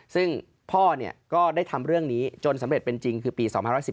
ซึ่งพ่อก็ได้ทำเรื่องนี้จนสำเร็จเป็นจริงคือปี๒๐๑๘